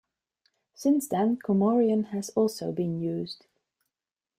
Since then, Comorian has also been used.